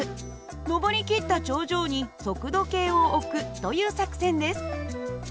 上り切った頂上に速度計を置くという作戦です。